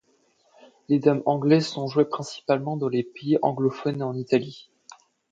Les dames anglaises sont jouées principalement dans les pays anglophones et en Italie.